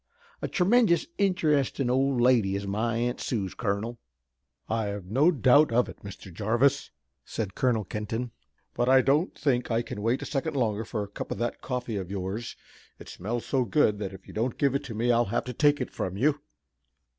A tremenjous interestin' old lady is my Aunt Suse, colonel." "I've no doubt of it, Mr. Jarvis." said Colonel Kenton, "but I don't think I can wait a second longer for a cup of that coffee of yours. It smells so good that if you don't give it to me I'll have to take it from you."